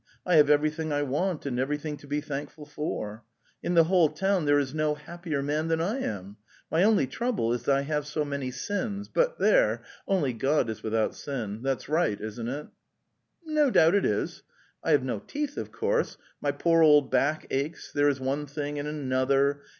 I have everything I want and everything to be thankful for. In the whole town there is no happier man than Iam. My only trouble is I have so many sins, but there — only God is without sin. That's right, isn't it?" '" No doubt it is." '"'T have no teeth, of course; my poor old back aches; there is one thing and another